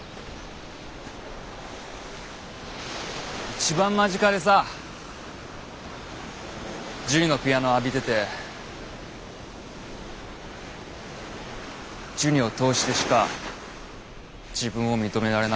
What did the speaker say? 一番間近でさジュニのピアノ浴びててジュニを通してしか自分を認められなかった。